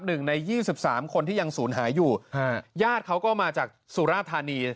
หนึ่งในยี่สิบสามคนที่ยังศูนย์หายอยู่ฮะญาติเขาก็มาจากสุราธานี